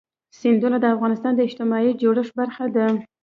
سیندونه د افغانستان د اجتماعي جوړښت برخه ده.